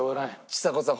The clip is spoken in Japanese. ちさ子さん